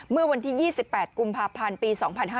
เมื่อวันที่๒๘กุมภาพันธ์ปี๒๕๕๙